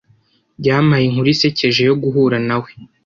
Yampaye inkuru isekeje yo guhura nawe.